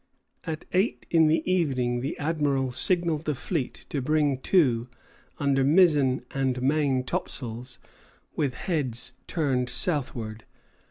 At eight in the evening the Admiral signalled the fleet to bring to, under mizzen and main topsails, with heads turned southward.